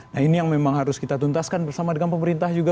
nah ini yang memang harus kita tuntaskan bersama dengan pemerintah juga